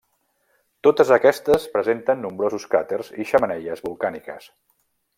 Totes aquestes presenten nombrosos cràters i xemeneies volcàniques.